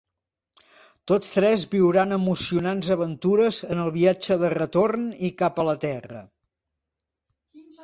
Tots tres viuran emocionants aventures en el viatge de retorn i cap a la terra.